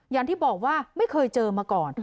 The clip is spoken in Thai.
อย่างที่บอกว่าไม่เคยเจอมาก่อน